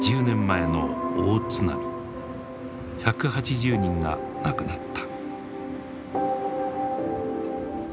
１８０人が亡くなった。